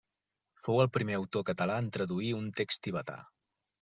Fou el primer autor català en traduir un text tibetà.